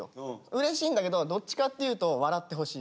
うれしいんだけどどっちかっていうと笑ってほしい。